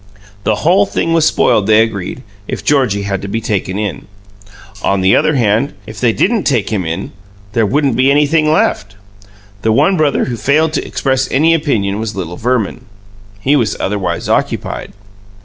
The whole thing was spoiled, they agreed, if Georgie Bassett had to be taken in. On the other hand, if they didn't take him in, "there wouldn't be anything left." The one brother who failed to express any opinion was little Verman. He was otherwise occupied.